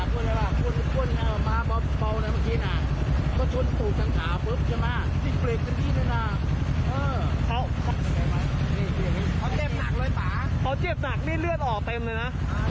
เขาเจ็บหนักเลยปะ